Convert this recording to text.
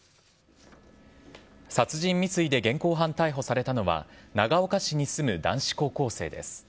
殺人未遂で現行犯逮捕されたのは、長岡市に住む男子高校生です。